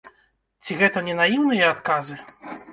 Ці гэта не наіўныя адказы?